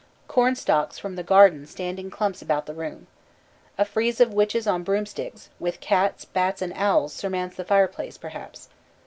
Corn stalks from the garden stand in clumps about the room. A frieze of witches on broomsticks, with cats, bats, and owls surmounts the fireplace, perhaps.